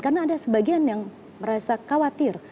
karena ada sebagian yang merasa khawatir